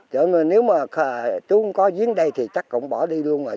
trời ơi nếu mà chú có viếng đây thì chắc cũng bỏ đi luôn rồi